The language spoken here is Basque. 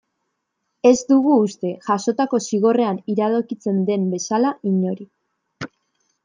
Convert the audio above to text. Ez dugu uste, jasotako zigorrean iradokitzen den bezala, inori.